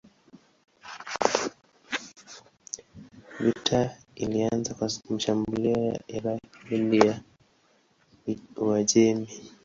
Vita ilianza kwa mashambulio ya Irak dhidi ya Uajemi.